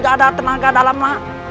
aku sudah kena tenaga dalam lagi